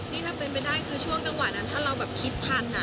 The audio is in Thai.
นี่ถ้าเป็นไปได้คือช่วงเวลานั้นถ้าเราแบบคิดพันอ่ะ